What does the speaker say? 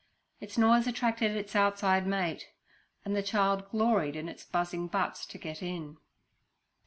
Its noise attracted its outside mate, and the child gloried in its buzzing butts to get in.